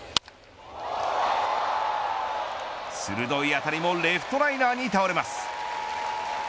鋭い当たりもレフトライナーに倒れます。